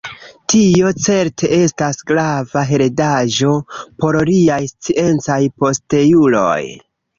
Tio certe estas grava heredaĵo por liaj sciencaj posteuloj.